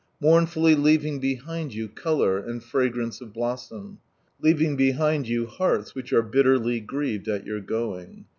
Mournfully leaving behind you colour, and fragrance of bloMom, Leaving behind you heattt which are bitterly grieved at your going.